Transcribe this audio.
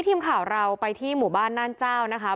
ทีมข่าวเราไปที่หมู่บ้านน่านเจ้านะคะ